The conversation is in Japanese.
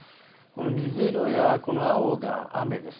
水色や青が雨です。